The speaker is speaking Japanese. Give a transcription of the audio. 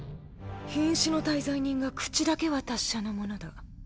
瀕死の大罪人が口だけは達者なものだ。